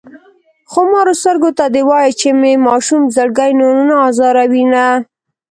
خمارو سترګو ته دې وايه چې مې ماشوم زړګی نور نه ازاروينه شي